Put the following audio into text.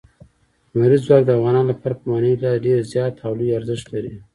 لمریز ځواک د افغانانو لپاره په معنوي لحاظ ډېر زیات او لوی ارزښت لري.